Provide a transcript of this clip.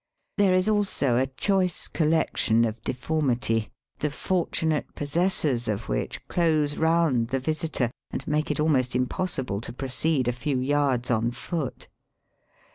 There is also a choice collection of deformity, the fortunate possessors of which close round the visitor and make it almost impossible to proceed a few yards on foot.